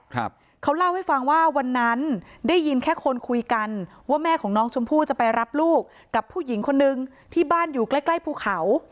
ครับเขาเล่าให้ฟังว่าวันนั้นได้ยินแค่คนคุยกันว่าแม่ของน้องชมพู่จะไปรับลูกกับผู้หญิงคนนึงที่บ้านอยู่ใกล้ใกล้ภูเขา